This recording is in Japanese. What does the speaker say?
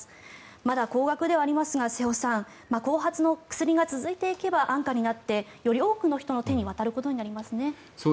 まだ高額ではありますが瀬尾さん後発の薬が続いていけば安価になってより多くの人の手に渡ることになりますね。